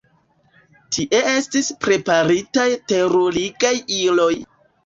Tie estis preparitaj terurigaj iloj.